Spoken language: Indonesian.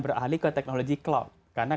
beralih ke teknologi cloud karena